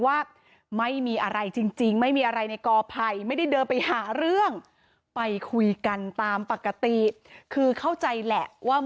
ว่าว่าเมื่อวานตอนหัวไกลจริงเนี่ย